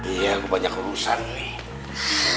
iya aku banyak urusan nih